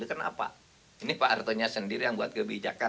kenapa ini pak hartonya sendiri yang buat kebijakan